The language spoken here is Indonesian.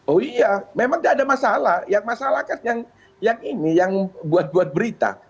oh iya memang tidak ada masalah yang masalah kan yang ini yang buat buat berita